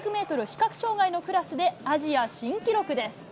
視覚障害のクラスでアジア新記録です。